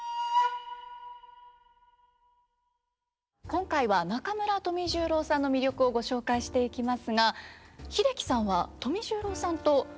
今回は中村富十郎さんの魅力をご紹介していきますが英樹さんは富十郎さんとご親交があったんですよね。